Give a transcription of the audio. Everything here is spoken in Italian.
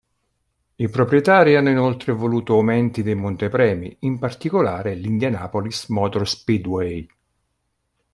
I proprietari hanno inoltre voluto aumenti dei montepremi, in particolare l'Indianapolis Motor Speedway.